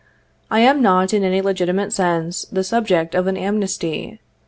"I am not, in any legitimate sense, the subject of an amnesty.